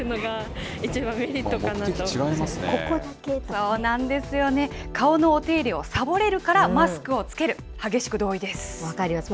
そうなんですよね、顔のお手入れをさぼれるから、マスクを着ける、分かります。